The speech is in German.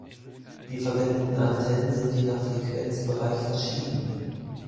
Die verwendeten Antennen sind je nach Frequenzbereich verschieden.